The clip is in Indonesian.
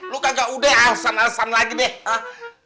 lo kagak udah alesan alesan lagi deh